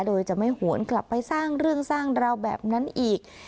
โดยจะไม่หวนกลับไปสร้างเรื่องสร้างราวแบบนั้นอีก